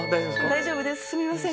大丈夫ですすみません。